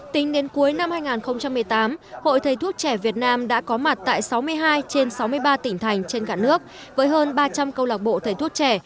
tính đến cuối năm hai nghìn một mươi tám hội thầy thuốc trẻ việt nam đã có mặt tại sáu mươi hai trên sáu mươi ba tỉnh thành trên cả nước với hơn ba trăm linh câu lạc bộ thầy thuốc trẻ